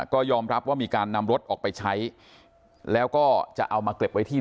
ก็ยอมรับว่ามีการนำรถออกไปใช้แล้วก็จะเอามาเก็บไว้ที่